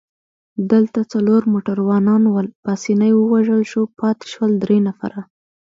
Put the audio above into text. دلته څلور موټروانان ول، پاسیني ووژل شو، پاتې شول درې نفره.